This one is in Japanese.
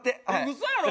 嘘やろ？